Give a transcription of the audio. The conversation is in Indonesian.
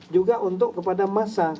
juga untuk kepada massa